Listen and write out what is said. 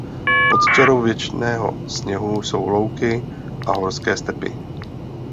Pod čarou věčného sněhu jsou louky a horské stepi.